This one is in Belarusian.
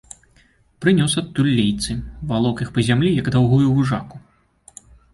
Прынёс адтуль лейцы, валок іх па зямлі, як даўгую вужаку.